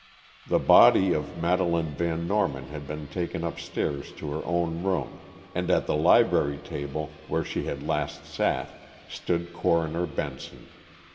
The body of Madeleine Van Norman had been taken upstairs to her own room, and at the library table, where she had last sat, stood Coroner Benson.